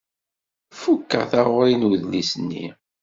Fukkeɣ taɣuṛi n udlis-nni.